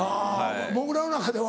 もぐらの中では？